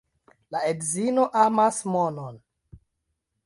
La edzino amas monon.